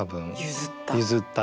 譲った。